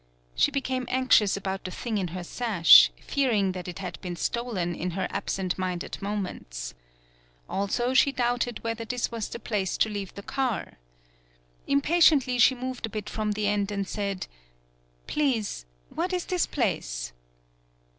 She became anxious about the thing in her sash, fearing that it had been stolen in her absent minded moments. Also she doubted whether this was the place to leave the car. Impatiently she moved a bit from the end and said : "Please, what is this place?"